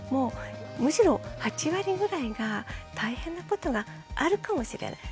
むしろ８割ぐらいが大変なことがあるかもしれない。